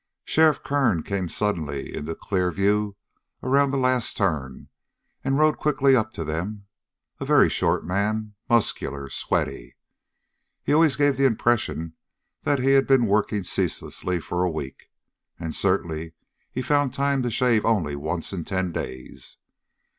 Sheriff Kern came suddenly into clear view around the last turn and rode quickly up to them, a very short man, muscular, sweaty. He always gave the impression that he had been working ceaselessly for a week, and certainly he found time to shave only once in ten days.